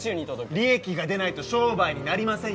利益が出ないと商売になりません